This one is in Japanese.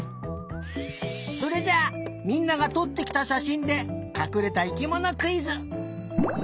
それじゃあみんながとってきたしゃしんでかくれた生きものクイズ！